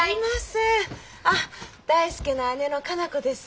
ああ大介の姉の佳奈子です。